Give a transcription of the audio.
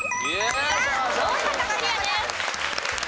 大阪府クリアです。